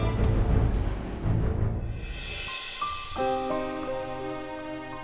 aku yang bawa kamu kesini